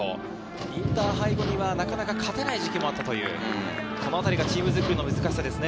インターハイ後にはなかなか勝てない時期もあったという、このあたりがチーム作りの難しさですね。